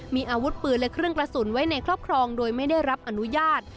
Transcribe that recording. มีอาวุธปืนและเครื่องกระสุนไว้ในครอบครองโดยไม่ได้รับอนุญาต